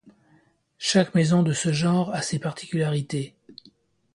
Chaque maison de ce genre a ses particularités.